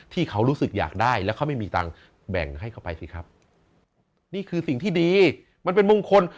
ที่เขารู้สึกอยากได้แล้วเขาไม่มีตังค์แบ่งให้เขาไปสิครับนี่คือสิ่งที่ดีมันเป็นมงคล